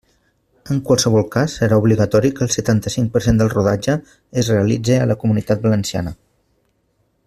En qualsevol cas, serà obligatori que el setanta-cinc per cent del rodatge es realitze a la Comunitat Valenciana.